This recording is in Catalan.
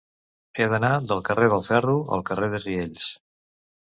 He d'anar del carrer del Ferro al carrer de Riells.